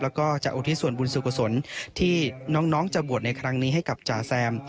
แล้วก็จะอุทิศส่วนบุญสุขุศลที่น้องจะบวชในครั้งนี้ให้กับจ๋าแซม